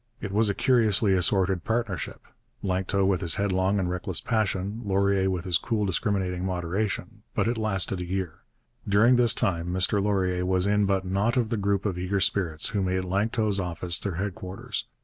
It was a curiously assorted partnership: Lanctot with his headlong and reckless passion, Laurier with his cool, discriminating moderation: but it lasted a year. During this time Mr Laurier was in but not of the group of eager spirits who made Lanctot's office their headquarters.